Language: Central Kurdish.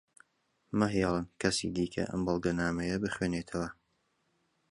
مەهێڵن کەسی دیکە ئەم بەڵگەنامەیە بخوێنێتەوە.